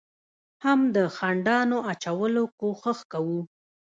هم د خنډانو اچولو کوشش کوو،